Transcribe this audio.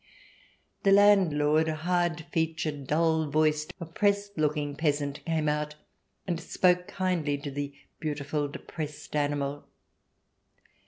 The landlord, a hard featured, dull voiced, op pressed looking peasant came out, and spoke kindly to the beautiful, depressed animal.